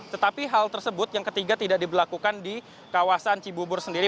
tetapi hal tersebut yang ketiga tidak diberlakukan di kawasan cibubur sendiri